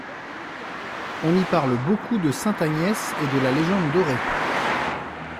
On y parle beaucoup de sainte Agnès et de la légende dorée.